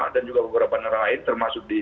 dan juga beberapa negara lain termasuk di